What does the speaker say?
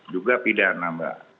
juga pidana mbak